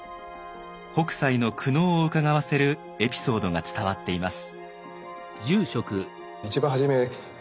北斎の苦悩をうかがわせるエピソードが伝わっています。